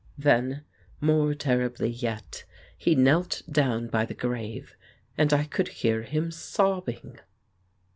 Then, more terribly yet, he knelt down by the grave, and I could hear him sobbing."